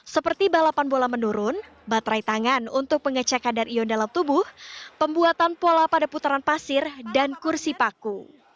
seperti balapan bola menurun baterai tangan untuk pengecek kadar ion dalam tubuh pembuatan pola pada putaran pasir dan kursi paku